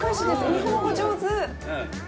日本語上手。